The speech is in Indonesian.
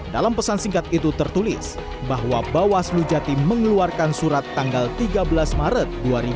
dalam pesan singkat itu tertulis bahwa bawaslu jatim mengeluarkan surat tanggal tiga belas maret dua ribu dua puluh